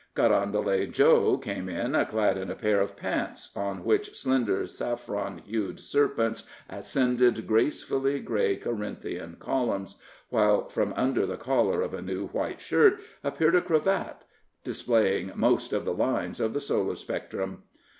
Carondelet Joe came in, clad in a pair of pants, on which slender saffron hued serpents ascended graceful gray Corinthian columns, while from under the collar of a new white shirt appeared a cravat, displaying most of the lines of the solar spectrum.